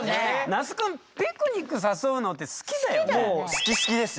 那須くんピクニック誘うのって好きだよね？